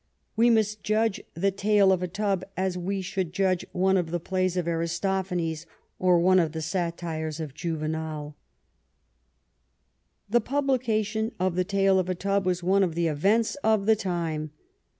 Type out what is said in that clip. We must judge the Tale of a Tub as we should judge one of the plays of Aristophanes or one of the satires of Juvenal. The publication of the Tale of a Tub was one of the events of the time.